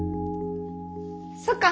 そっか。